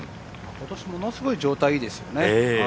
今年ものすごい状態いいですよね。